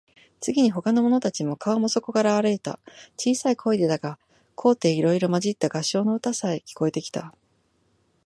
次に、ほかの者たちの顔もそこから現われた。小さい声でだが、高低いろいろまじった合唱の歌さえ、聞こえてきた。